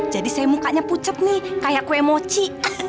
jadi saya mukanya pucat nih kayak kue mochi